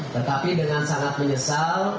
tetapi dengan sangat menyesal